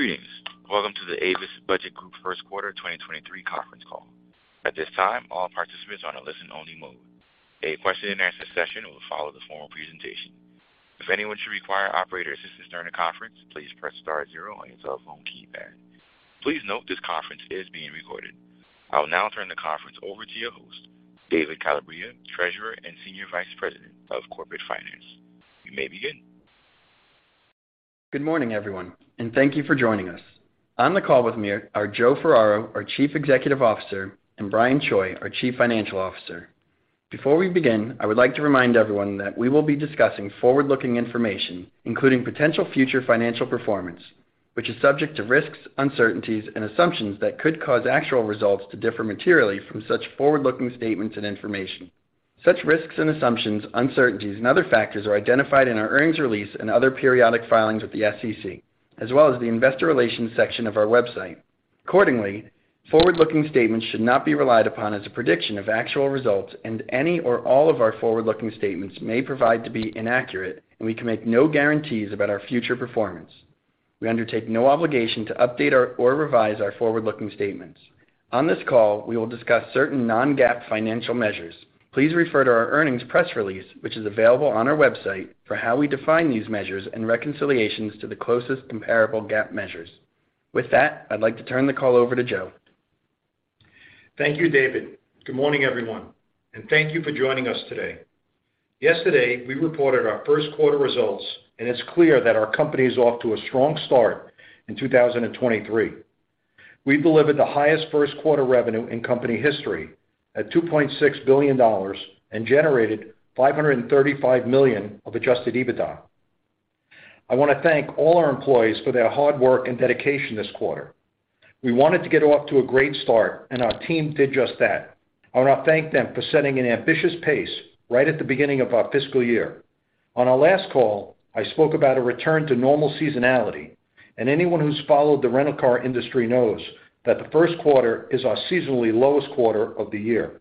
Greetings. Welcome to the Avis Budget Group First Quarter 2023 conference call. At this time, all participants are on a listen only mode. A question-and-answer session will follow the formal presentation. If anyone should require operator assistance during the conference, please press star 0 on your telephone keypad. Please note this conference is being recorded. I will now turn the conference over to your host, David Calabria, Treasurer and Senior Vice President of Corporate Finance. You may begin. Good morning, everyone, and thank you for joining us. On the call with me are Joe Ferraro, our Chief Executive Officer, and Brian Choi, our Chief Financial Officer. Before we begin, I would like to remind everyone that we will be discussing forward-looking information, including potential future financial performance, which is subject to risks, uncertainties and assumptions that could cause actual results to differ materially from such forward-looking statements and information. Such risks and assumptions, uncertainties and other factors are identified in our earnings release and other periodic filings with the SEC, as well as the investor relations section of our website. Accordingly, forward-looking statements should not be relied upon as a prediction of actual results, and any or all of our forward-looking statements may prove to be inaccurate, and we can make no guarantees about our future performance. We undertake no obligation to update or revise our forward-looking statements. On this call, we will discuss certain non-GAAP financial measures. Please refer to our earnings press release, which is available on our website for how we define these measures and reconciliations to the closest comparable GAAP measures. With that, I'd like to turn the call over to Joe. Thank you, David. Good morning, everyone, and thank you for joining us today. Yesterday, we reported our first quarter results, and it's clear that our company is off to a strong start in 2023. We delivered the highest first quarter revenue in company history at $2.6 billion and generated $535 million of adjusted EBITDA. I wanna thank all our employees for their hard work and dedication this quarter. We wanted to get off to a great start and our team did just that. I wanna thank them for setting an ambitious pace right at the beginning of our fiscal year. On our last call, I spoke about a return to normal seasonality, and anyone who's followed the rental car industry knows that the first quarter is our seasonally lowest quarter of the year.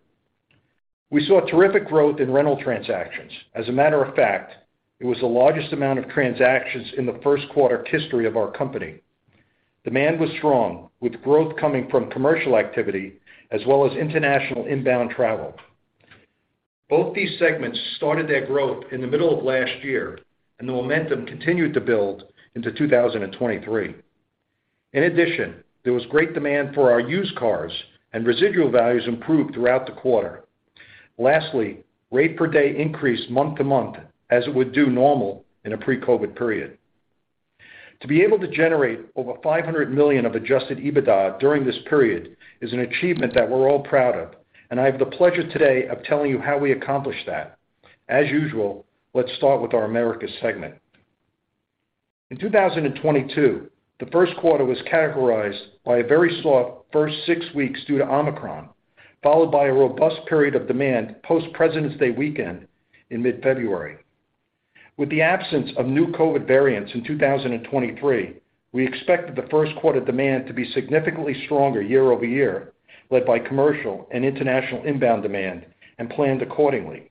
We saw terrific growth in rental transactions. As a matter of fact, it was the largest amount of transactions in the first quarter history of our company. Demand was strong, with growth coming from commercial activity as well as international inbound travel. Both these segments started their growth in the middle of last year. The momentum continued to build into 2023. In addition, there was great demand for our used cars. Residual values improved throughout the quarter. Lastly, rate per day increased month-to-month as it would do normal in a pre-COVID period. To be able to generate over $500 million of adjusted EBITDA during this period is an achievement that we're all proud of. I have the pleasure today of telling you how we accomplished that. As usual, let's start with our America segment. In 2022, the first quarter was categorized by a very slow first six weeks due to Omicron, followed by a robust period of demand post Presidents Day weekend in mid-February. With the absence of new COVID variants in 2023, we expected the first quarter demand to be significantly stronger year-over-year, led by commercial and international inbound demand and planned accordingly.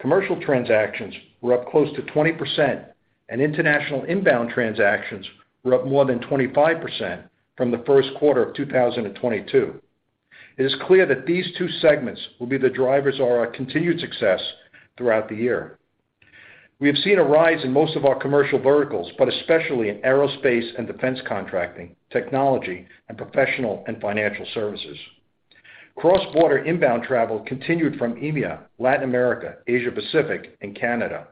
Commercial transactions were up close to 20%, and international inbound transactions were up more than 25% from the first quarter of 2022. It is clear that these two segments will be the drivers of our continued success throughout the year. We have seen a rise in most of our commercial verticals, but especially in aerospace and defense contracting, technology and professional and financial services. Cross-border inbound travel continued from EMEA, Latin America, Asia Pacific and Canada.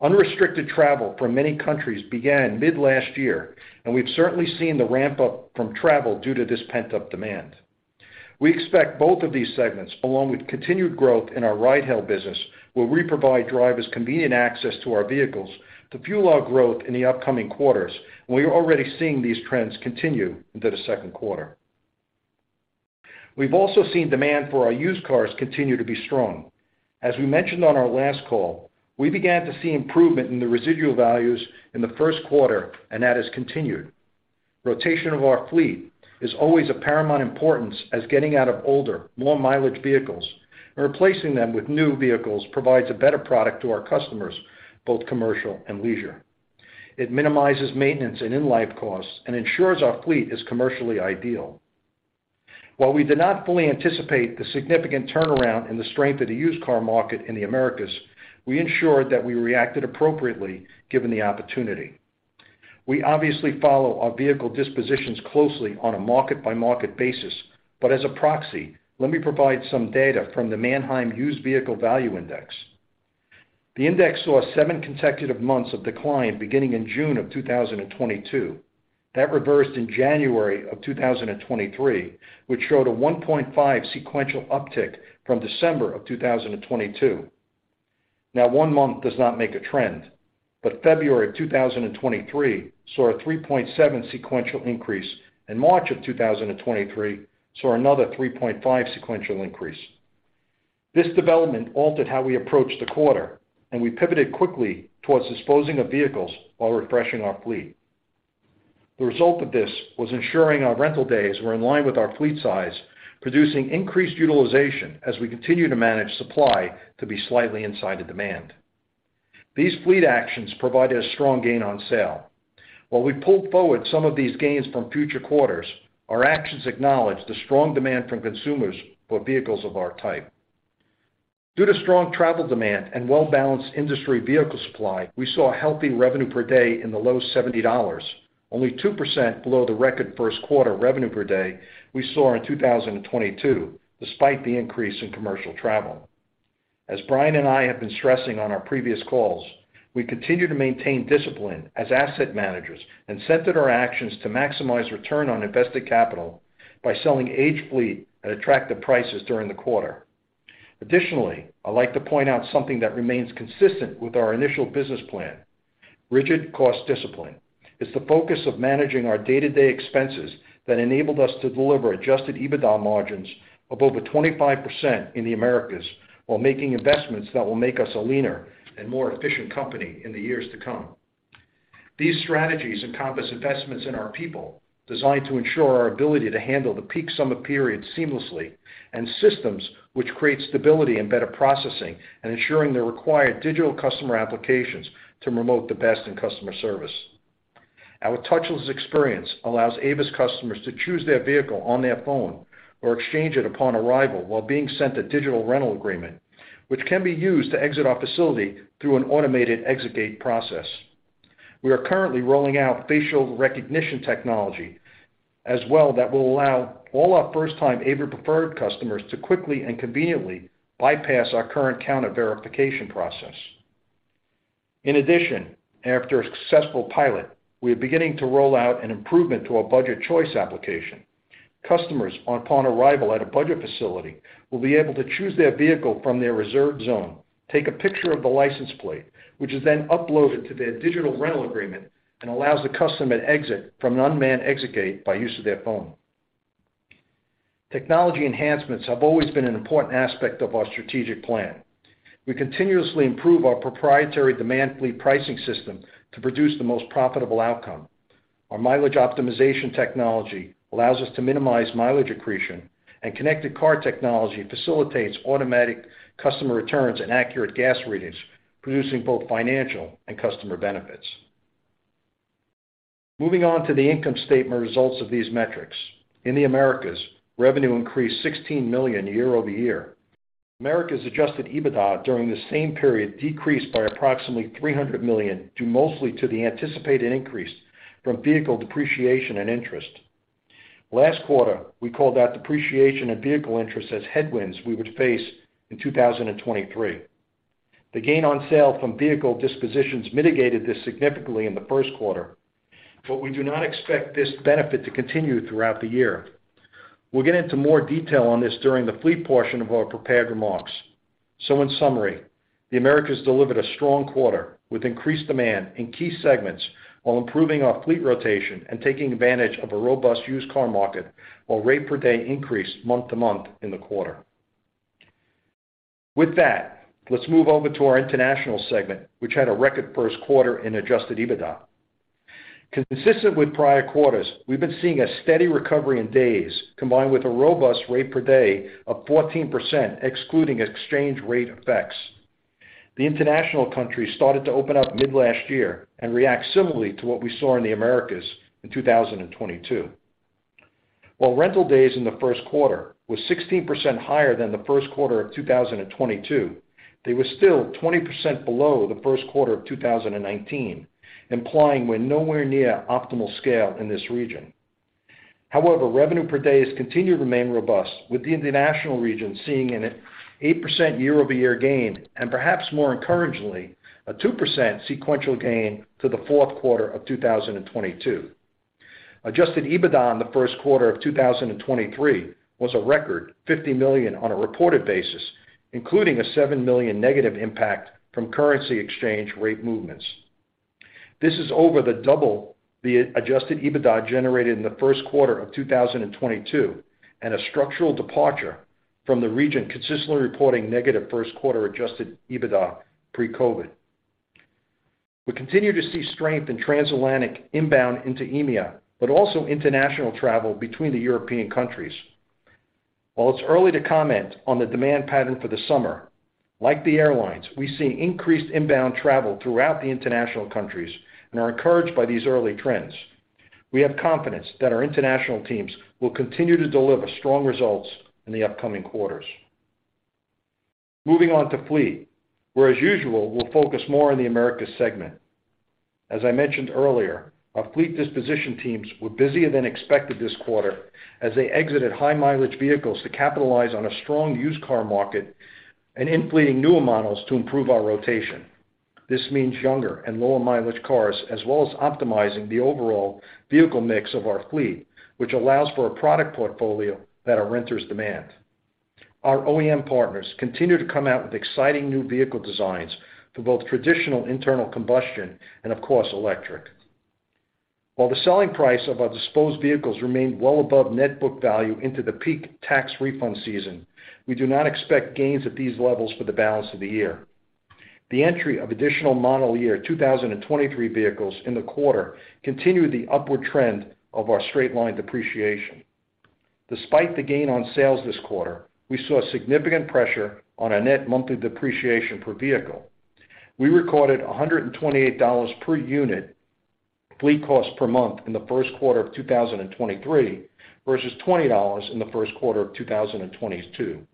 Unrestricted travel from many countries began mid last year, and we've certainly seen the ramp up from travel due to this pent-up demand. We expect both of these segments, along with continued growth in our ride-hail business, where we provide drivers convenient access to our vehicles to fuel our growth in the upcoming quarters. We are already seeing these trends continue into the second quarter. We've also seen demand for our used cars continue to be strong. As we mentioned on our last call, we began to see improvement in the residual values in the first quarter and that has continued. Rotation of our fleet is always of paramount importance as getting out of older, more mileage vehicles and replacing them with new vehicles provides a better product to our customers, both commercial and leisure. It minimizes maintenance and in-life costs and ensures our fleet is commercially ideal. While we did not fully anticipate the significant turnaround in the strength of the used car market in the Americas, we ensured that we reacted appropriately given the opportunity. We obviously follow our vehicle dispositions closely on a market-by-market basis, but as a proxy, let me provide some data from the Manheim Used Vehicle Value Index. The index saw 7 consecutive months of decline beginning in June of 2022. That reversed in January of 2023, which showed a 1.5 sequential uptick from December of 2022. One month does not make a trend, but February of 2023 saw a 3.7 sequential increase, and March of 2023 saw another 3.5 sequential increase. This development altered how we approached the quarter, and we pivoted quickly towards disposing of vehicles while refreshing our fleet. The result of this was ensuring our rental days were in line with our fleet size, producing increased utilization as we continue to manage supply to be slightly inside of demand. These fleet actions provided a strong gain on sale. While we pulled forward some of these gains from future quarters, our actions acknowledge the strong demand from consumers for vehicles of our type. Due to strong travel demand and well-balanced industry vehicle supply, we saw a healthy revenue per day in the low $70, only 2% below the record first quarter revenue per day we saw in 2022 despite the increase in commercial travel. As Brian and I have been stressing on our previous calls, we continue to maintain discipline as asset managers and centered our actions to maximize return on invested capital by selling aged fleet at attractive prices during the quarter. Additionally, I'd like to point out something that remains consistent with our initial business plan, rigid cost discipline. It's the focus of managing our day-to-day expenses that enabled us to deliver adjusted EBITDA margins of over 25% in the Americas while making investments that will make us a leaner and more efficient company in the years to come. These strategies encompass investments in our people designed to ensure our ability to handle the peak summer period seamlessly, and systems which create stability and better processing and ensuring the required digital customer applications to promote the best in customer service. Our touchless experience allows Avis customers to choose their vehicle on their phone or exchange it upon arrival while being sent a digital rental agreement, which can be used to exit our facility through an automated exit gate process. We are currently rolling out facial recognition technology as well that will allow all our first time Avis Preferred customers to quickly and conveniently bypass our current counter verification process. In addition, after a successful pilot, we are beginning to roll out an improvement to our Budget Choice application. Customers upon arrival at a Budget facility will be able to choose their vehicle from their reserved zone, take a picture of the license plate, which is then uploaded to their digital rental agreement and allows the customer to exit from an unmanned exit gate by use of their phone. Technology enhancements have always been an important aspect of our strategic plan. We continuously improve our proprietary demand fleet pricing system to produce the most profitable outcome. Our mileage optimization technology allows us to minimize mileage accretion, and connected car technology facilitates automatic customer returns and accurate gas readings, producing both financial and customer benefits. Moving on to the income statement results of these metrics. In the Americas, revenue increased $16 million year-over-year. Americas adjusted EBITDA during the same period decreased by approximately $300 million due mostly to the anticipated increase from vehicle depreciation and interest. Last quarter, we called out depreciation and vehicle interest as headwinds we would face in 2023. The gain on sale from vehicle dispositions mitigated this significantly in the first quarter, but we do not expect this benefit to continue throughout the year. We'll get into more detail on this during the fleet portion of our prepared remarks. In summary, the Americas delivered a strong quarter with increased demand in key segments while improving our fleet rotation and taking advantage of a robust used car market while rate per day increased month-to-month in the quarter. With that, let's move over to our International segment, which had a record first quarter in adjusted EBITDA. Consistent with prior quarters, we've been seeing a steady recovery in days, combined with a robust rate per day of 14%, excluding exchange rate effects. The international countries started to open up mid-last year and react similarly to what we saw in the Americas in 2022. While rental days in the first quarter was 16% higher than the first quarter of 2022, they were still 20% below the first quarter of 2019, implying we're nowhere near optimal scale in this region. Revenue per day has continued to remain robust with the international region seeing an 8% year-over-year gain, and perhaps more encouragingly, a 2% sequential gain to the fourth quarter of 2022. adjusted EBITDA in the first quarter of 2023 was a record $50 million on a reported basis, including a $7 million negative impact from currency exchange rate movements. This is over the double the adjusted EBITDA generated in the first quarter of 2022, and a structural departure from the region consistently reporting negative first quarter adjusted EBITDA pre-COVID. We continue to see strength in transatlantic inbound into EMEA, but also international travel between the European countries. While it's early to comment on the demand pattern for the summer, like the airlines, we see increased inbound travel throughout the international countries and are encouraged by these early trends. We have confidence that our international teams will continue to deliver strong results in the upcoming quarters. Moving on to fleet, where as usual, we'll focus more on the Americas segment. As I mentioned earlier, our fleet disposition teams were busier than expected this quarter as they exited high mileage vehicles to capitalize on a strong used car market and in fleeting newer models to improve our rotation. This means younger and lower mileage cars, as well as optimizing the overall vehicle mix of our fleet, which allows for a product portfolio that our renters demand. Our OEM partners continue to come out with exciting new vehicle designs for both traditional internal combustion and of course, electric. While the selling price of our disposed vehicles remained well above net book value into the peak tax refund season, we do not expect gains at these levels for the balance of the year. The entry of additional model year 2023 vehicles in the quarter continued the upward trend of our straight-line depreciation. Despite the gain on sale this quarter, we saw significant pressure on our net monthly depreciation per vehicle. We recorded $128 per unit fleet cost per month in the first quarter of 2023 versus $20 in the first quarter of 2022.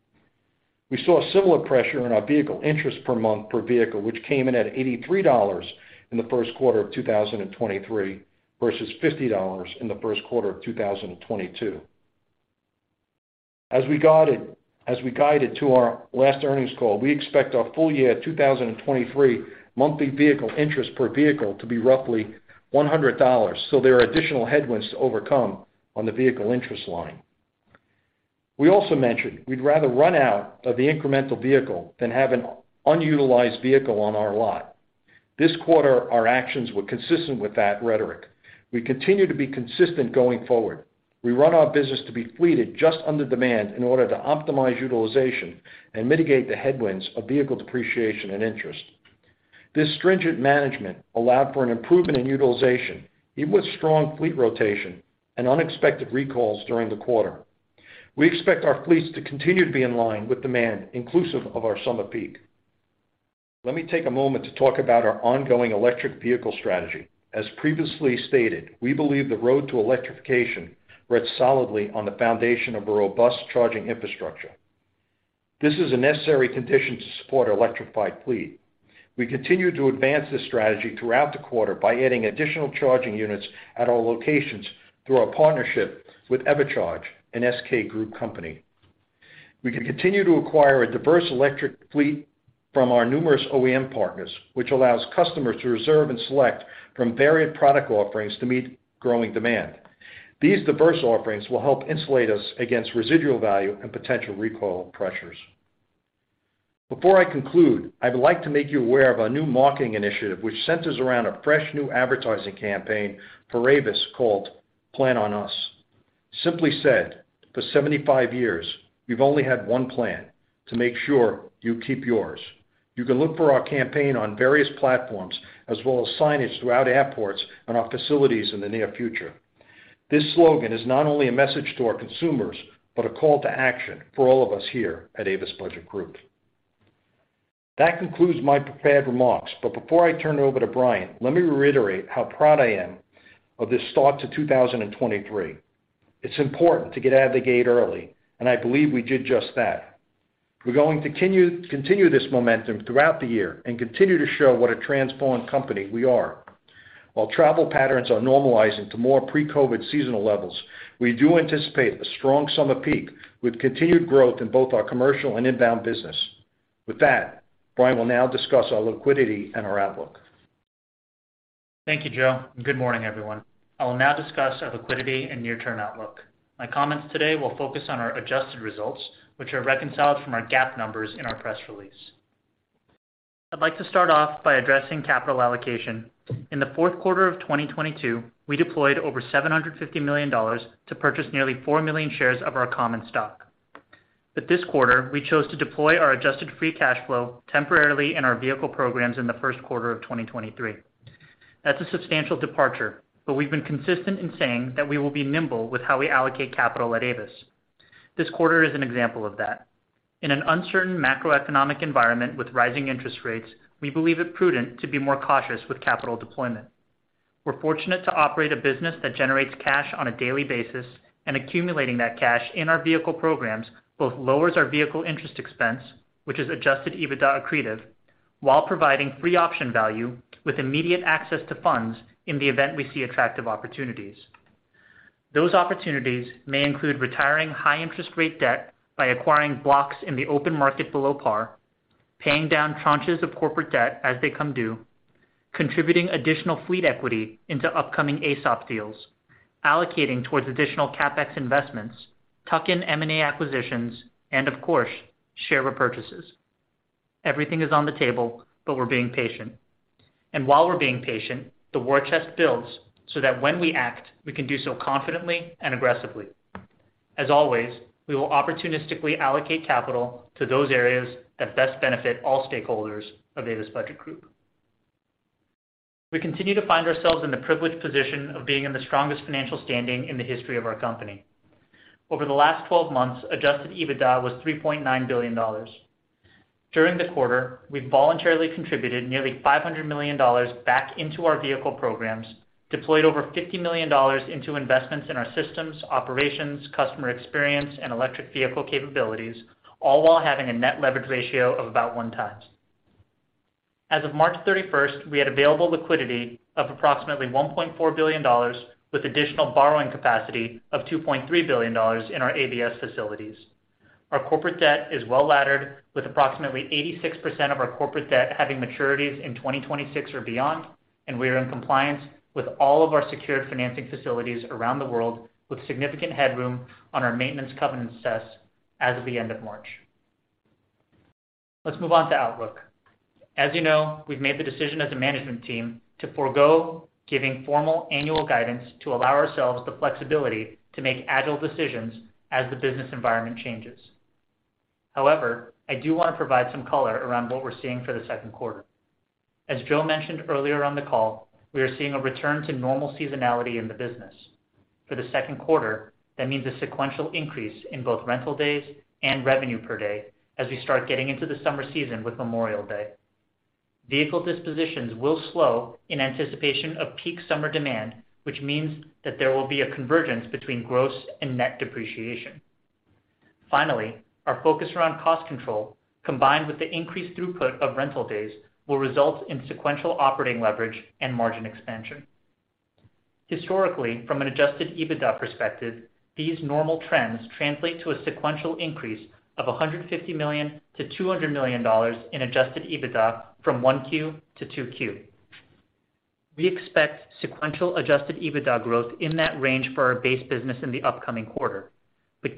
We saw similar pressure in our vehicle interest per month per vehicle, which came in at $83 in the first quarter of 2023 versus $50 in the first quarter of 2022. As we guided to our last earnings call, we expect our full year 2023 monthly vehicle interest per vehicle to be roughly $100. There are additional headwinds to overcome on the vehicle interest line. We also mentioned we'd rather run out of the incremental vehicle than have an unutilized vehicle on our lot. This quarter, our actions were consistent with that rhetoric. We continue to be consistent going forward. We run our business to be fleeted just under demand in order to optimize utilization and mitigate the headwinds of vehicle depreciation and interest. This stringent management allowed for an improvement in utilization, even with strong fleet rotation and unexpected recalls during the quarter. We expect our fleets to continue to be in line with demand, inclusive of our summer peak. Let me take a moment to talk about our ongoing electric vehicle strategy. As previously stated, we believe the road to electrification rests solidly on the foundation of a robust charging infrastructure. This is a necessary condition to support our electrified fleet. We continue to advance this strategy throughout the quarter by adding additional charging units at our locations through our partnership with EverCharge, an SK Group company. We can continue to acquire a diverse electric fleet from our numerous OEM partners, which allows customers to reserve and select from varied product offerings to meet growing demand. These diverse offerings will help insulate us against residual value and potential recall pressures. Before I conclude, I would like to make you aware of our new marketing initiative, which centers around a fresh new advertising campaign for Avis called Plan On Us. Simply said, for 75 years, we've only had one plan, to make sure you keep yours. You can look for our campaign on various platforms as well as signage throughout airports and our facilities in the near future. This slogan is not only a message to our consumers, but a call to action for all of us here at Avis Budget Group. That concludes my prepared remarks. Before I turn it over to Brian, let me reiterate how proud I am of this start to 2023. It's important to get out of the gate early, and I believe we did just that. We're going to continue this momentum throughout the year and continue to show what a transformed company we are. While travel patterns are normalizing to more pre-COVID seasonal levels, we do anticipate a strong summer peak with continued growth in both our commercial and inbound business. With that, Brian will now discuss our liquidity and our outlook. Thank you, Joe. Good morning, everyone. I will now discuss our liquidity and near-term outlook. My comments today will focus on our adjusted results, which are reconciled from our GAAP numbers in our press release. I'd like to start off by addressing capital allocation. In the fourth quarter of 2022, we deployed over $750 million to purchase nearly 4 million shares of our common stock. This quarter, we chose to deploy our adjusted free cash flow temporarily in our vehicle programs in the first quarter of 2023. That's a substantial departure, but we've been consistent in saying that we will be nimble with how we allocate capital at Avis. This quarter is an example of that. In an uncertain macroeconomic environment with rising interest rates, we believe it prudent to be more cautious with capital deployment. We're fortunate to operate a business that generates cash on a daily basis, accumulating that cash in our vehicle programs both lowers our vehicle interest expense, which is adjusted EBITDA accretive, while providing free option value with immediate access to funds in the event we see attractive opportunities. Those opportunities may include retiring high interest rate debt by acquiring blocks in the open market below par, paying down tranches of corporate debt as they come due, contributing additional fleet equity into upcoming AESOP deals, allocating towards additional CapEx investments, tuck-in M&A acquisitions, and of course, share repurchases. Everything is on the table, we're being patient. While we're being patient, the war chest builds so that when we act, we can do so confidently and aggressively. As always, we will opportunistically allocate capital to those areas that best benefit all stakeholders of Avis Budget Group. We continue to find ourselves in the privileged position of being in the strongest financial standing in the history of our company. Over the last 12 months, adjusted EBITDA was $3.9 billion. During the quarter, we voluntarily contributed nearly $500 million back into our vehicle programs, deployed over $50 million into investments in our systems, operations, customer experience, and electric vehicle capabilities, all while having a net leverage ratio of about 1 times. As of March 31st, we had available liquidity of approximately $1.4 billion with additional borrowing capacity of $2.3 billion in our ABS facilities. Our corporate debt is well-laddered with approximately 86% of our corporate debt having maturities in 2026 or beyond. We are in compliance with all of our secured financing facilities around the world with significant headroom on our maintenance covenant tests as of the end of March. Let's move on to outlook. As you know, we've made the decision as a management team to forgo giving formal annual guidance to allow ourselves the flexibility to make agile decisions as the business environment changes. However, I do want to provide some color around what we're seeing for the second quarter. As Joe mentioned earlier on the call, we are seeing a return to normal seasonality in the business. For the second quarter, that means a sequential increase in both rental days and revenue per day as we start getting into the summer season with Memorial Day. Vehicle dispositions will slow in anticipation of peak summer demand, which means that there will be a convergence between gross and net depreciation. Our focus around cost control, combined with the increased throughput of rental days, will result in sequential operating leverage and margin expansion. Historically, from an adjusted EBITDA perspective, these normal trends translate to a sequential increase of $150 million-$200 million in adjusted EBITDA from 1Q to 2Q. We expect sequential adjusted EBITDA growth in that range for our base business in the upcoming quarter.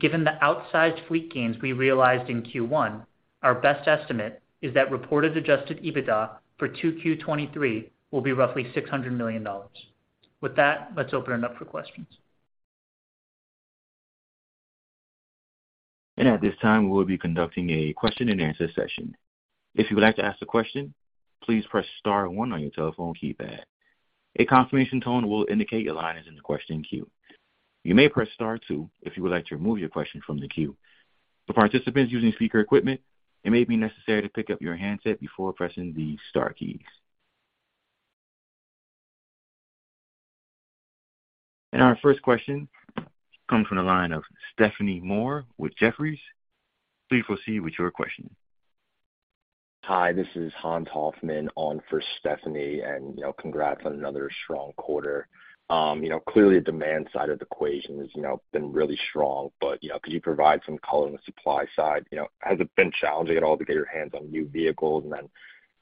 Given the outsized fleet gains we realized in Q1, our best estimate is that reported adjusted EBITDA for 2Q 23 will be roughly $600 million. With that, let's open it up for questions. At this time, we will be conducting a question-and-answer session. If you would like to ask a question, please press star one on your telephone keypad. A confirmation tone will indicate your line is in the question queue. You may press star two if you would like to remove your question from the queue. For participants using speaker equipment, it may be necessary to pick up your handset before pressing the star keys. Our first question comes from the line of Stephanie Moore with Jefferies. Please proceed with your question. Hi, this is Hans Hoffman on for Stephanie, you know, congrats on another strong quarter. You know, clearly the demand side of the equation has, you know, been really strong. You know, could you provide some color on the supply side? You know, has it been challenging at all to get your hands on new vehicles and then,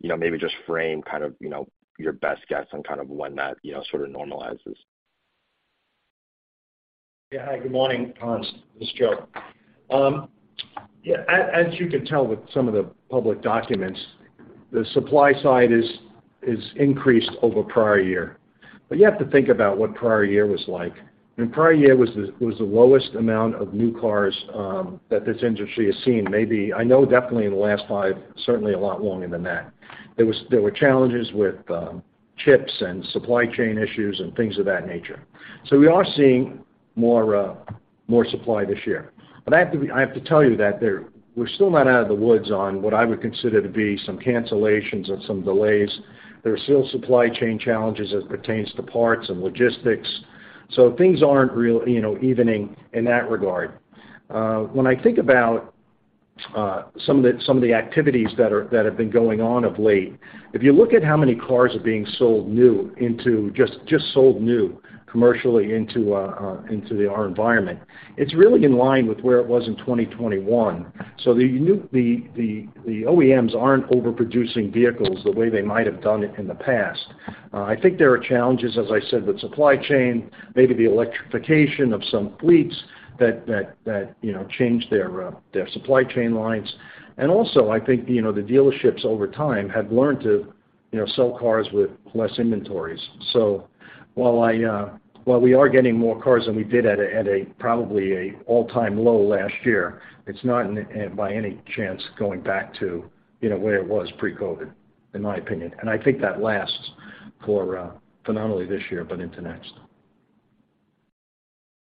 you know, maybe just frame kind of, you know, your best guess on kind of when that, you know, sort of normalizes? Hi, good morning, Hans Hoffman. This is Joe Ferraro. As you can tell with some of the public documents, the supply side is increased over prior year. You have to think about what prior year was like. Prior year was the lowest amount of new cars that this industry has seen, maybe... I know definitely in the last five, certainly a lot longer than that. There were challenges with chips and supply chain issues and things of that nature. We are seeing more supply this year. I have to tell you that we're still not out of the woods on what I would consider to be some cancellations and some delays. There are still supply chain challenges as it pertains to parts and logistics, things aren't real, you know, evening in that regard. When I think about some of the activities that have been going on of late, if you look at how many cars are being sold new into just sold new commercially into our environment, it's really in line with where it was in 2021. The OEMs aren't overproducing vehicles the way they might have done it in the past. I think there are challenges, as I said, with supply chain, maybe the electrification of some fleets that, you know, change their supply chain lines. Also I think, you know, the dealerships over time have learned to, you know, sell cars with less inventories. While I, while we are getting more cars than we did at a, at a probably a all-time low last year, it's not by any chance going back to, you know, where it was pre-COVID, in my opinion. I think that lasts for, phenomenally this year, but into next.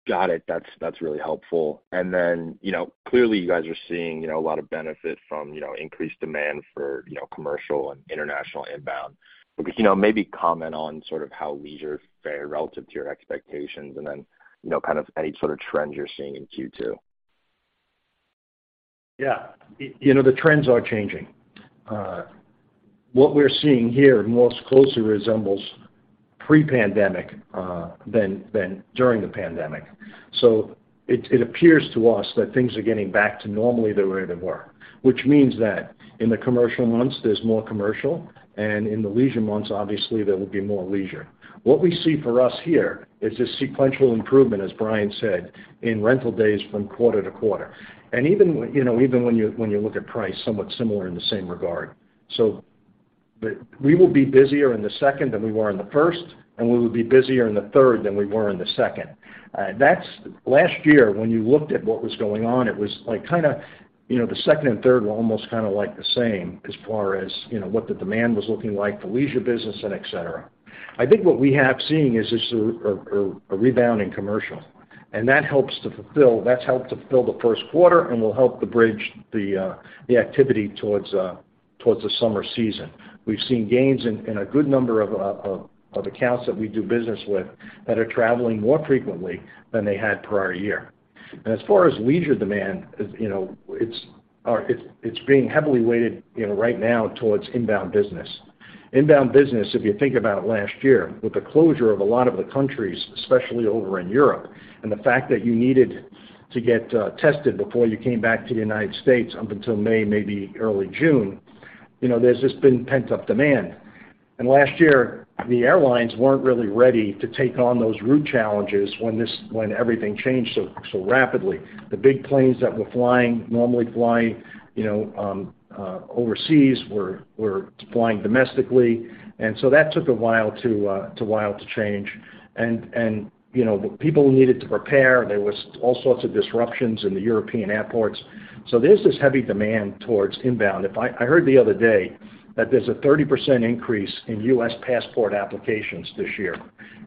Got it. That's really helpful. Then, you know, clearly you guys are seeing, you know, a lot of benefit from, you know, increased demand for, you know, commercial and international inbound. You know, maybe comment on sort of how leisure fared relative to your expectations and then, you know, kind of any sort of trends you're seeing in Q2. Yeah. You know, the trends are changing. What we're seeing here most closely resembles pre-pandemic than during the pandemic. It appears to us that things are getting back to normally the way they were, which means that in the commercial months, there's more commercial, and in the leisure months, obviously, there will be more leisure. What we see for us here is a sequential improvement, as Brian said, in rental days from quarter to quarter. Even you know, even when you look at price, somewhat similar in the same regard. We will be busier in the second than we were in the first, and we will be busier in the third than we were in the second. That's... Last year, when you looked at what was going on, it was like kinda, you know, the second and third were almost kinda like the same as far as, you know, what the demand was looking like, the leisure business and et cetera. I think what we have seen is just a rebounding commercial, that's helped to fill the first quarter and will help to bridge the activity towards the summer season. We've seen gains in a good number of accounts that we do business with that are traveling more frequently than they had prior year. As far as leisure demand, as you know, it's being heavily weighted, you know, right now towards inbound business. Inbound business, if you think about it last year, with the closure of a lot of the countries, especially over in Europe, and the fact that you needed to get tested before you came back to the United States up until May, maybe early June, you know, there's just been pent-up demand. Last year, the airlines weren't really ready to take on those route challenges when everything changed so rapidly. The big planes that were flying normally flying, you know, overseas were flying domestically. That took a while to change. You know, people needed to prepare. There was all sorts of disruptions in the European airports. There's this heavy demand towards inbound. I heard the other day that there's a 30% increase in US passport applications this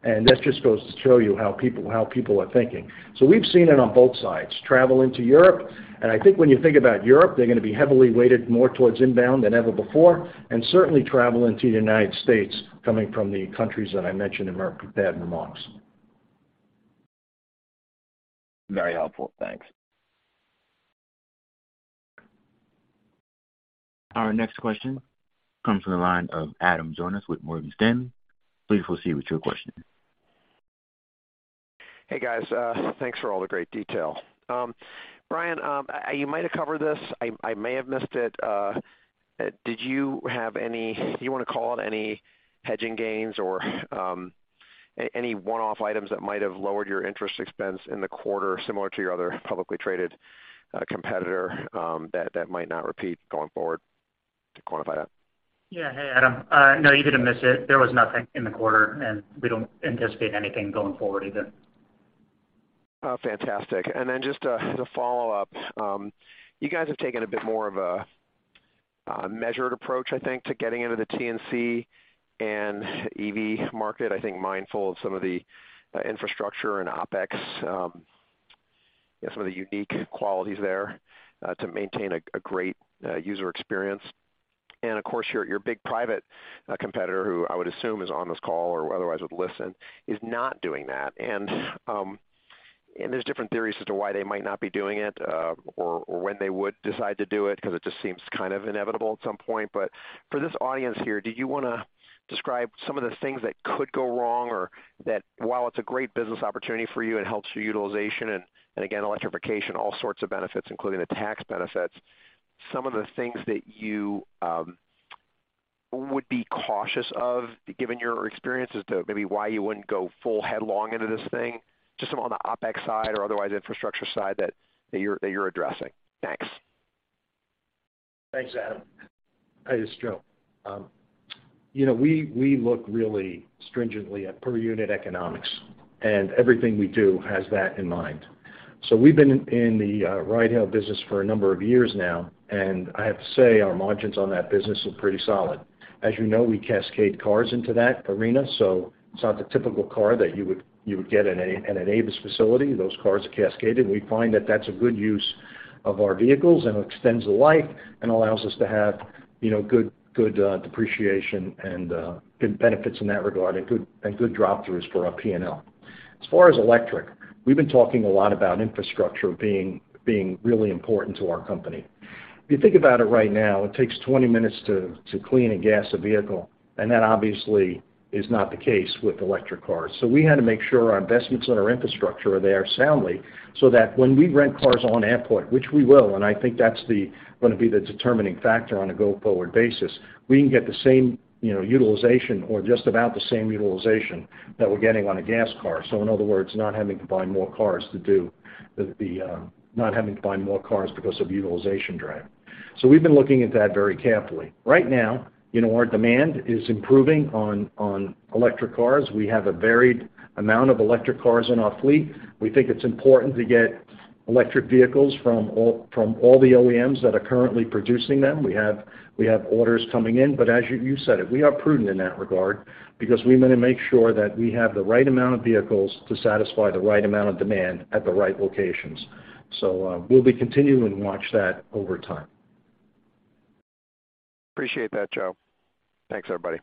year. That just goes to show you how people are thinking. We've seen it on both sides, travel into Europe. I think when you think about Europe, they're gonna be heavily weighted more towards inbound than ever before, and certainly travel into the United States coming from the countries that I mentioned in my prepared remarks. Very helpful. Thanks. Our next question comes from the line of Adam Jonas with Morgan Stanley. Please proceed with your question. Hey, guys. Thanks for all the great detail. Brian, you might have covered this. I may have missed it. Did you wanna call out any hedging gains or any one-off items that might have lowered your interest expense in the quarter similar to your other publicly traded competitor that might not repeat going forward to quantify that? Yeah. Hey, Adam. No, you didn't miss it. There was nothing in the quarter. We don't anticipate anything going forward either. Oh, fantastic. Then just a follow-up. You guys have taken a bit more of a measured approach, I think, to getting into the TNC and EV market, I think mindful of some of the infrastructure and OpEx, some of the unique qualities there, to maintain a great user experience. Of course, your big private competitor, who I would assume is on this call or otherwise would listen, is not doing that. There's different theories as to why they might not be doing it, or when they would decide to do it because it just seems kind of inevitable at some point. For this audience here, do you wanna describe some of the things that could go wrong or that while it's a great business opportunity for you and helps your utilization and again, electrification, all sorts of benefits, including the tax benefits, some of the things that you would be cautious of given your experience as to maybe why you wouldn't go full headlong into this thing, just some on the OpEx side or otherwise infrastructure side that you're addressing? Thanks. Thanks, Adam. Hey, this is Joe. You know, we look really stringently at per unit economics, and everything we do has that in mind. We've been in the ride-hail business for a number of years now, and I have to say our margins on that business look pretty solid. As you know, we cascade cars into that arena, so it's not the typical car that you would get at an Avis facility. Those cars are cascaded. We find that that's a good use of our vehicles, and it extends the life and allows us to have, you know, good depreciation and good benefits in that regard and good drop-throughs for our P&L. As far as electric, we've been talking a lot about infrastructure being really important to our company. If you think about it right now, it takes 20 minutes to clean and gas a vehicle, and that obviously is not the case with electric cars. We had to make sure our investments in our infrastructure are there soundly so that when we rent cars on airport, which we will, and I think that's gonna be the determining factor on a go-forward basis, we can get the same, you know, utilization or just about the same utilization that we're getting on a gas car. In other words, not having to buy more cars to do the not having to buy more cars because of utilization drive. We've been looking at that very carefully. Right now, you know, our demand is improving on electric cars. We have a varied amount of electric cars in our fleet. We think it's important to get electric vehicles from all the OEMs that are currently producing them. We have orders coming in, but as you said it, we are prudent in that regard because we wanna make sure that we have the right amount of vehicles to satisfy the right amount of demand at the right locations. We'll be continuing to watch that over time. Appreciate that, Joe. Thanks, everybody.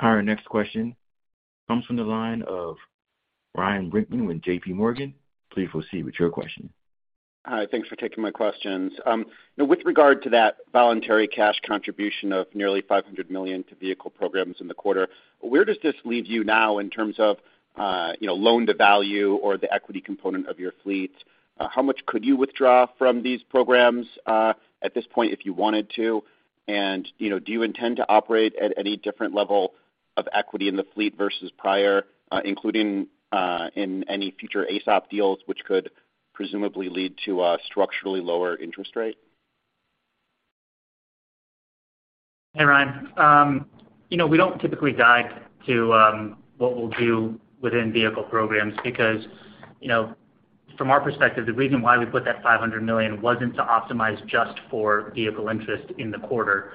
Our next question comes from the line of Ryan Brinkman with J.P. Morgan. Please proceed with your question. Hi. Thanks for taking my questions. With regard to that voluntary cash contribution of nearly $500 million to vehicle programs in the quarter, where does this leave you now in terms of, you know, loan to value or the equity component of your fleet? How much could you withdraw from these programs at this point if you wanted to? You know, do you intend to operate at any different level of equity in the fleet versus prior, including in any future AESOP deals which could presumably lead to a structurally lower interest rate? Hey, Ryan. You know, we don't typically guide to what we'll do within vehicle programs because, you know, from our perspective, the reason why we put that $500 million wasn't to optimize just for vehicle interest in the quarter.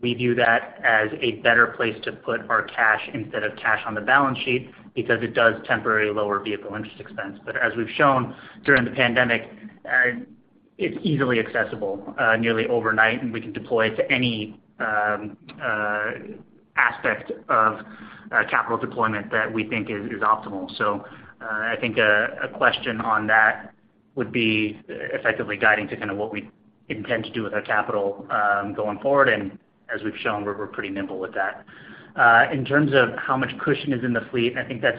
We view that as a better place to put our cash instead of cash on the balance sheet because it does temporarily lower vehicle interest expense. As we've shown during the pandemic, it's easily accessible, nearly overnight, and we can deploy it to any aspect of capital deployment that we think is optimal. I think a question on that would be effectively guiding to kind of what we intend to do with our capital going forward. As we've shown, we're pretty nimble with that. In terms of how much cushion is in the fleet, I think that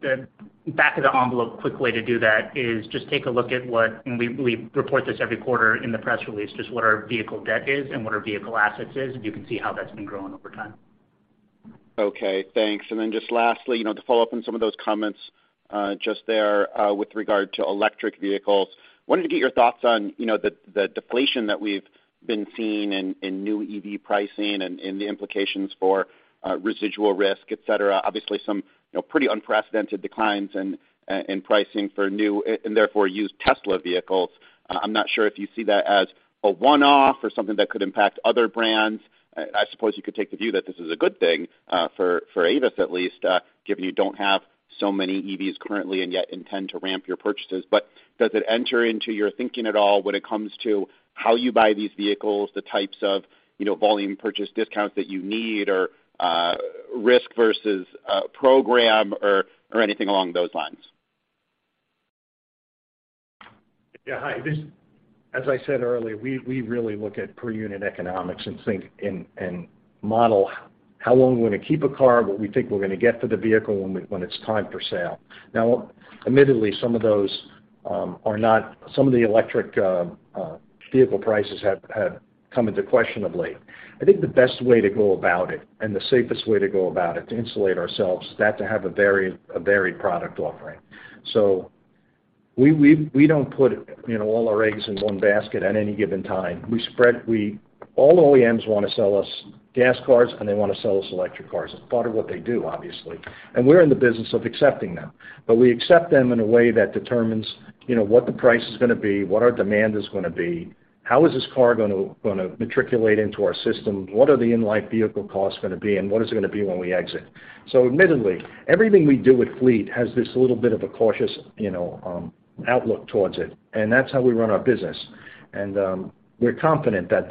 the back of the envelope quick way to do that is just take a look at and we report this every quarter in the press release, just what our vehicle debt is and what our vehicle assets is, and you can see how that's been growing over time. Thanks. Then just lastly, you know, to follow up on some of those comments, just there, with regard to electric vehicles. Wanted to get your thoughts on, you know, the deflation that we've been seeing in new EV pricing and the implications for residual risk, et cetera. Obviously, some, you know, pretty unprecedented declines in pricing for new and therefore used Tesla vehicles. I'm not sure if you see that as a one-off or something that could impact other brands. I suppose you could take the view that this is a good thing for Avis at least, given you don't have so many EVs currently and yet intend to ramp your purchases. Does it enter into your thinking at all when it comes to how you buy these vehicles, the types of, you know, volume purchase discounts that you need or, risk versus, program or anything along those lines? Yeah. Hi. As I said earlier, we really look at per unit economics and think and model how long we're gonna keep a car, what we think we're gonna get for the vehicle when it's time for sale. Admittedly, some of those are not. Some of the electric vehicle prices have come into question of late. I think the best way to go about it, and the safest way to go about it to insulate ourselves is that to have a varied product offering. We don't put, you know, all our eggs in one basket at any given time. All OEMs want to sell us gas cars, and they want to sell us electric cars. It's part of what they do, obviously. We're in the business of accepting them. We accept them in a way that determines, you know, what the price is gonna be, what our demand is gonna be, how is this car gonna matriculate into our system, what are the in-life vehicle costs gonna be, and what is it gonna be when we exit? Admittedly, everything we do with fleet has this little bit of a cautious, you know, outlook towards it, and that's how we run our business. We're confident that,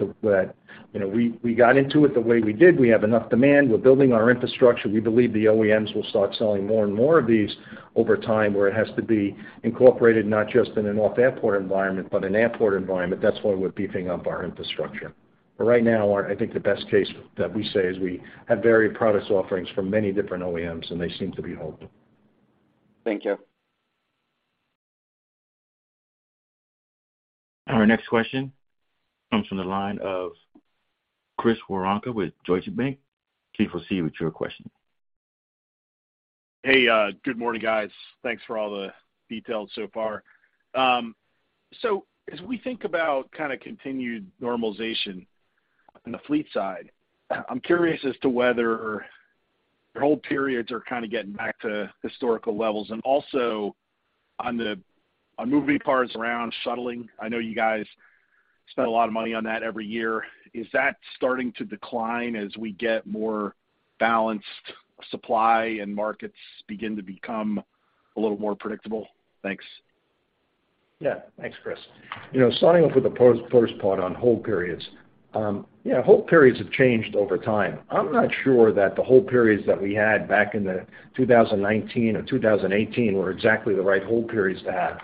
you know, we got into it the way we did. We have enough demand. We're building our infrastructure. We believe the OEMs will start selling more and more of these over time, where it has to be incorporated not just in an off-airport environment, but an airport environment. That's why we're beefing up our infrastructure. Right now, I think the best case that we say is we have varied products offerings from many different OEMs, and they seem to be helpful. Thank you. Our next question comes from the line of Chris Woronka with Deutsche Bank. Please proceed with your question. Hey, good morning, guys. Thanks for all the details so far. As we think about kind of continued normalization on the fleet side, I'm curious as to whether hold periods are kind of getting back to historical levels. Also on moving cars around, shuttling, I know you guys spend a lot of money on that every year. Is that starting to decline as we get more balanced supply and markets begin to become a little more predictable? Thanks. Yeah. Thanks, Chris. You know, starting off with the first part on hold periods. Yeah, hold periods have changed over time. I'm not sure that the hold periods that we had back in the 2019 or 2018 were exactly the right hold periods to have.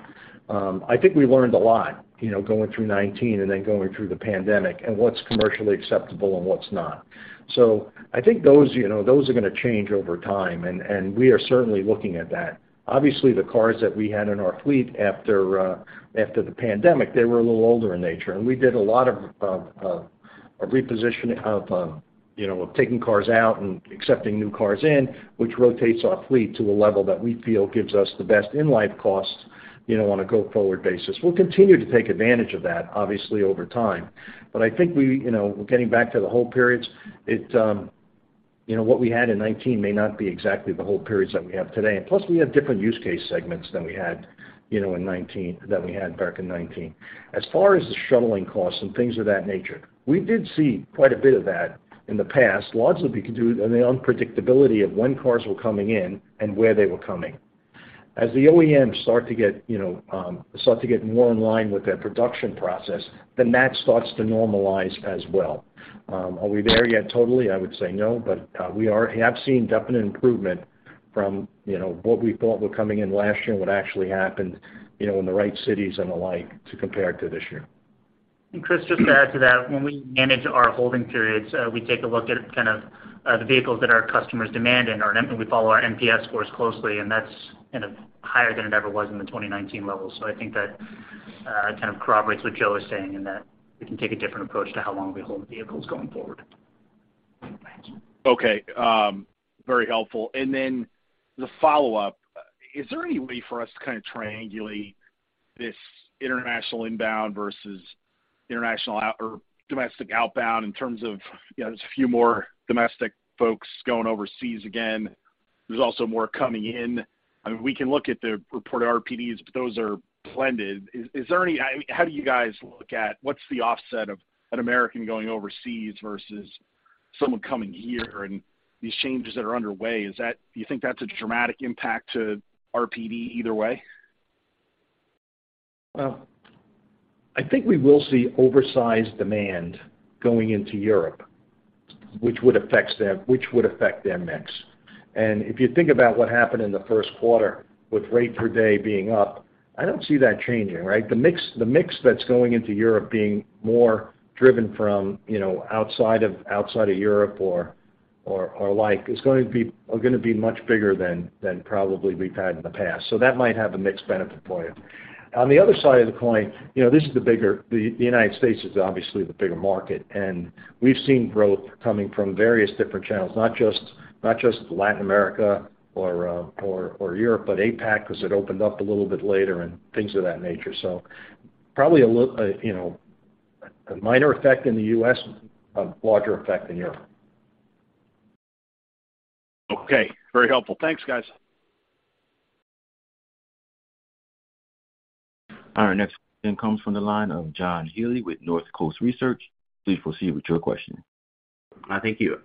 I think we learned a lot, you know, going through 2019 and then going through the pandemic and what's commercially acceptable and what's not. I think those, you know, those are gonna change over time, and we are certainly looking at that. Obviously, the cars that we had in our fleet after the pandemic, they were a little older in nature, and we did a lot of repositioning of, you know, of taking cars out and accepting new cars in, which rotates our fleet to a level that we feel gives us the best in-life costs, you know, on a go-forward basis. We'll continue to take advantage of that, obviously, over time. I think we, you know, getting back to the hold periods, it, you know, what we had in 2019 may not be exactly the hold periods that we have today. Plus, we have different use case segments than we had, you know, back in 2019. As far as the shuttling costs and things of that nature, we did see quite a bit of that in the past, largely due to the unpredictability of when cars were coming in and where they were coming. As the OEMs start to get, you know, more in line with their production process, then that starts to normalize as well. Are we there yet totally? I would say no, but we have seen definite improvement from, you know, what we thought were coming in last year and what actually happened, you know, in the right cities and the like to compare to this year. Chris, just to add to that. When we manage our holding periods, we take a look at kind of the vehicles that our customers demand, and we follow our NPS scores closely, and that's kind of higher than it ever was in the 2019 levels. I think that it kind of corroborates what Joe is saying in that we can take a different approach to how long we hold the vehicles going forward. Okay. Very helpful. Then the follow-up. Is there any way for us to kind of triangulate this international inbound versus international or domestic outbound in terms of, you know, there's a few more domestic folks going overseas again. There's also more coming in. I mean, we can look at the reported RPDs, but those are blended. Is there any? How do you guys look at what's the offset of an American going overseas versus someone coming here and these changes that are underway? Is that? Do you think that's a dramatic impact to RPD either way? Well, I think we will see oversized demand going into Europe. Which would affect their mix. If you think about what happened in the first quarter with rate per day being up, I don't see that changing, right? The mix that's going into Europe being more driven from, you know, outside of Europe or like are gonna be much bigger than probably we've had in the past. That might have a mixed benefit for you. On the other side of the coin, you know, The United States is obviously the bigger market, and we've seen growth coming from various different channels, not just Latin America or Europe, but APAC 'cause it opened up a little bit later and things of that nature. probably a little, you know, a minor effect in the U.S., a larger effect in Europe. Okay. Very helpful. Thanks, guys. Our next question comes from the line of John Healy with Northcoast Research. Please proceed with your question. Thank you.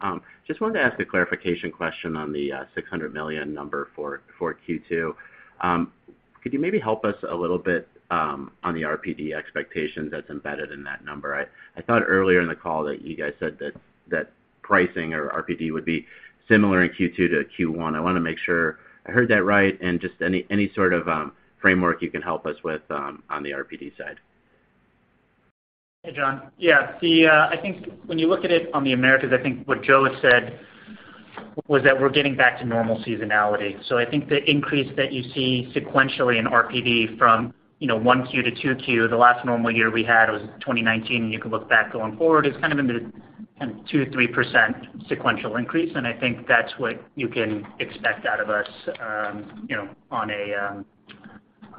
Just wanted to ask a clarification question on the $600 million number for Q2. Could you maybe help us a little bit on the RPD expectations that's embedded in that number? I thought earlier in the call that you guys said that pricing or RPD would be similar in Q2 to Q1. I wanna make sure I heard that right and just any sort of framework you can help us with on the RPD side. Hey, John. Yeah. The, I think when you look at it on the Americas, I think what Joe has said was that we're getting back to normal seasonality. I think the increase that you see sequentially in RPD from, you know, 1Q to 2Q, the last normal year we had was 2019, and you can look back going forward, it's kind of in the 2%-3% sequential increase. I think that's what you can expect out of us, you know,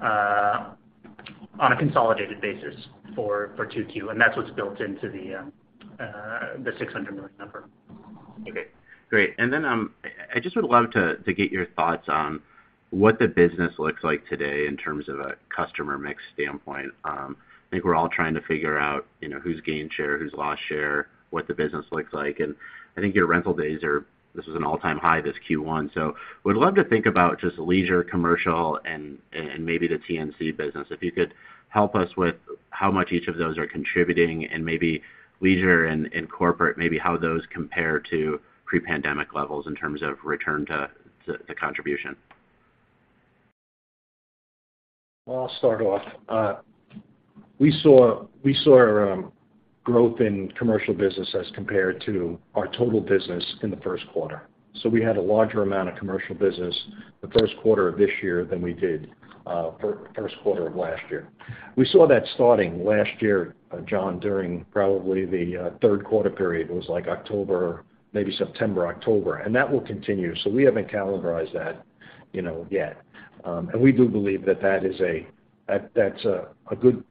on a consolidated basis for 2Q, and that's what's built into the $600 million number. Okay. Great. I just would love to get your thoughts on what the business looks like today in terms of a customer mix standpoint. I think we're all trying to figure out, you know, who's gained share, who's lost share, what the business looks like. I think your rental days are... This is an all-time high, this Q1. Would love to think about just leisure, commercial and maybe the TNC business. If you could help us with how much each of those are contributing and maybe leisure and corporate, maybe how those compare to pre-pandemic levels in terms of return to contribution. I'll start off. We saw growth in commercial business as compared to our total business in the first quarter. We had a larger amount of commercial business the first quarter of this year than we did first quarter of last year. We saw that starting last year, John, during probably the third quarter period. It was like October, maybe September, October, and that will continue. We haven't calendarized that, you know, yet. We do believe that's a good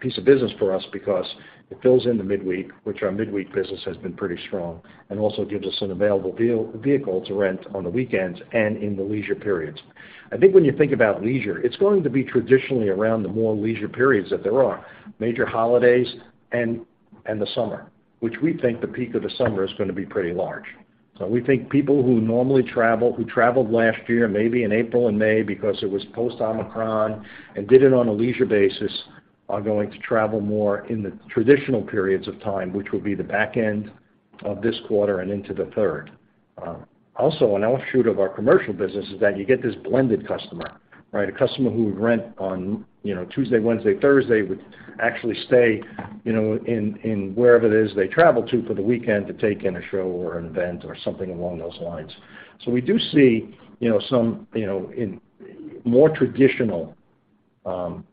piece of business for us because it fills in the midweek, which our midweek business has been pretty strong and also gives us an available vehicle to rent on the weekends and in the leisure periods. I think when you think about leisure, it's going to be traditionally around the more leisure periods that there are, major holidays and the summer, which we think the peak of the summer is gonna be pretty large. We think people who normally travel, who traveled last year, maybe in April and May because it was post Omicron and did it on a leisure basis, are going to travel more in the traditional periods of time, which will be the back end of this quarter and into the third. Also an offshoot of our commercial business is that you get this blended customer, right? A customer who would rent on, you know, Tuesday, Wednesday, Thursday, would actually stay, you know, in wherever it is they travel to for the weekend to take in a show or an event or something along those lines. We do see, you know, some, you know, in more traditional periods of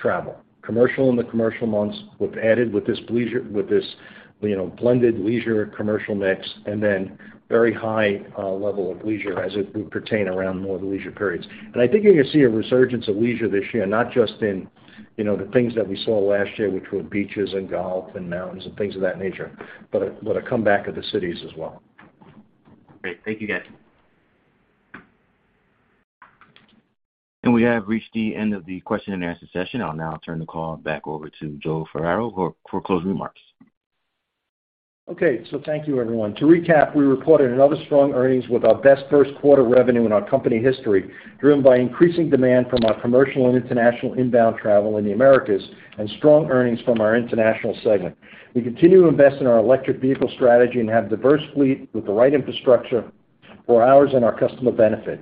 travel, commercial in the commercial months with added, with this, you know, blended leisure commercial mix, then very high level of leisure as it would pertain around more of the leisure periods. I think you're gonna see a resurgence of leisure this year, not just in, you know, the things that we saw last year, which were beaches and golf and mountains and things of that nature, but a comeback of the cities as well. Great. Thank you, guys. We have reached the end of the question and answer session. I'll now turn the call back over to Joe Ferraro for closing remarks. Okay. Thank you, everyone. To recap, we reported another strong earnings with our best first quarter revenue in our company history, driven by increasing demand from our commercial and international inbound travel in the Americas and strong earnings from our international segment. We continue to invest in our electric vehicle strategy and have diverse fleet with the right infrastructure for ours and our customer benefit.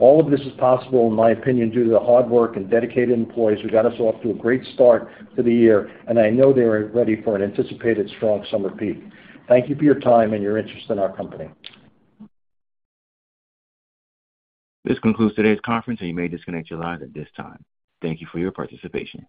All of this is possible, in my opinion, due to the hard work and dedicated employees who got us off to a great start to the year, and I know they are ready for an anticipated strong summer peak. Thank you for your time and your interest in our company. This concludes today's conference, and you may disconnect your lines at this time. Thank you for your participation.